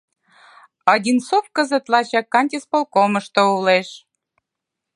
Одинцов кызыт лачак кантисполкомышто улеш.